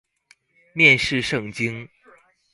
面試聖經